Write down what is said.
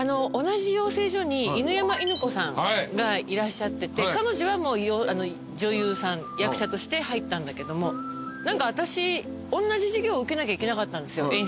同じ養成所に犬山イヌコさんがいらっしゃってて彼女は女優さん役者として入ったんだけども何か私おんなじ授業受けなきゃいけなかったんですよ。